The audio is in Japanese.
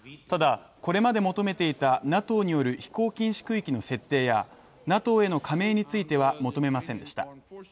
ただこれまで求めていたＮＡＴＯの飛行禁止区域の設定やＮＡＴＯへの加盟については求めませんでした。